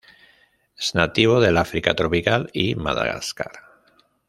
Es nativo del África tropical y Madagascar.